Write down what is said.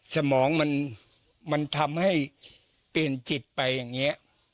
สมองมันทำให้เปลี่ยนจิตไปอย่างนี้